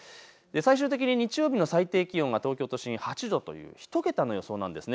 最終的に日曜日の最低気温が東京都心８度、１桁の予想なんです。